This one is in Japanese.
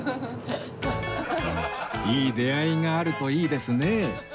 いい出会いがあるといいですね